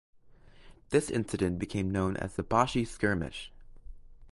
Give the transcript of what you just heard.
This incident became known as the Bashi Skirmish.